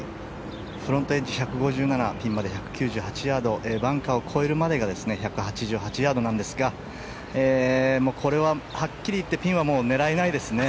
フロントエッジ１５７ピンまで１９８ヤードバンカーを越えるまでが１８８ヤードなんですがこれは、はっきり言ってピンは狙えないですね。